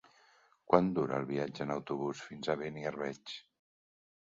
Quant dura el viatge en autobús fins a Beniarbeig?